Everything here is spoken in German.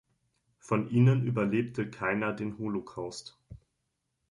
Von ihnen überlebte keiner den Holocaust.